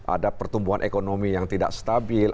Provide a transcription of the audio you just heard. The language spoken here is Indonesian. ada pertumbuhan ekonomi yang tidak stabil